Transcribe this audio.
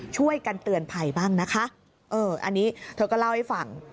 ช่วยกันเตือนภัยบ้างนะคะเอออันนี้เธอก็เล่าให้ฟัง